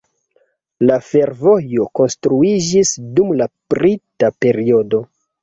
La fervojo konstruiĝis dum la brita periodo.